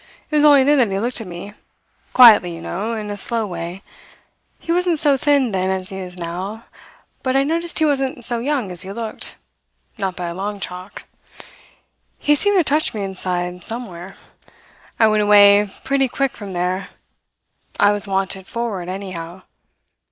It was only then that he looked at me quietly, you know; in a slow way. He wasn't so thin then as he is now; but I noticed he wasn't so young as he looked not by a long chalk. He seemed to touch me inside somewhere. I went away pretty quick from there; I was wanted forward anyhow.